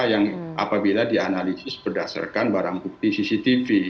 yang apabila dianalisis berdasarkan barang bukti cctv